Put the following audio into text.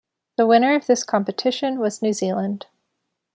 The winner of this competition was New Zealand.